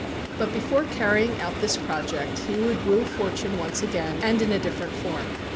But before carrying out this project, he would woo fortune once again, and in a different form.